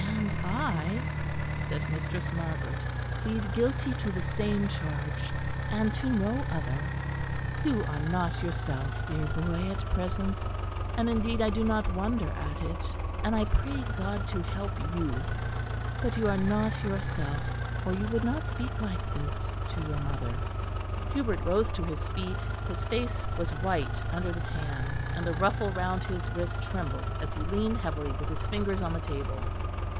"And I," said Mistress Margaret, "plead guilty to the same charge, and to no other. You are not yourself, dear boy, at present; and indeed I do not wonder at it; and I pray God to help you; but you are not yourself, or you would not speak like this to your mother." Hubert rose to his feet; his face was white under the tan, and the ruffle round his wrist trembled as he leaned heavily with his fingers on the table.